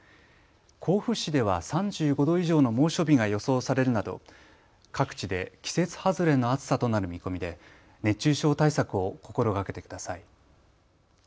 甲府市では３５度以上の猛暑日が予想されるなど各地で季節外れの暑さとなる見込みで熱中症対策を心がけてください。